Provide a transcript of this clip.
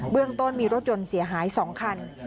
เรื่องต้นมีรถยนต์เสียหาย๒คัน